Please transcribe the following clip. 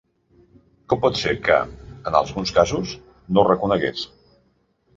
Com pot ser que, en alguns casos, no ho reconegués?